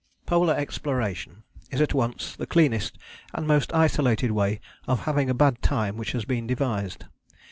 294 INTRODUCTION Polar exploration is at once the cleanest and most isolated way of having a bad time which has been devised.